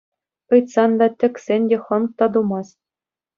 Ыйтсан та, тӗксен те хӑнк та тумасть.